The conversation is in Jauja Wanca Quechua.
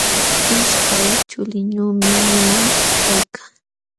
Ishkay chuliyumi ñuqa kaykaa.